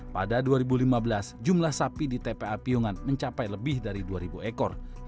pada dua ribu lima belas jumlah sapi di tpa piungan mencapai lebih dari dua ribu ekor